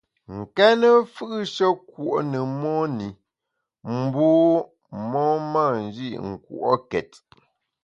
Nkéne mfù’she kùo’ ne mon i, bu mon mâ nji nkùo’ket.